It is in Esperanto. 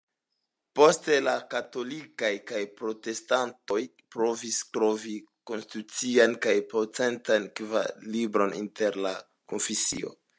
Poste la katolikaj kaj protestantoj provis trovi konstitucian kaj potencan ekvilibron inter la konfesioj.